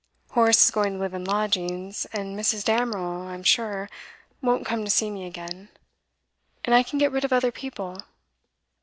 Horace is going to live in lodgings; and Mrs. Damerel, I am sure, won't come to see me again; and I can get rid of other people.